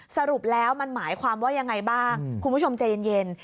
สรุปแล้วมันหมายความว่ายังไงบ้างคุณผู้ชมใจเย็น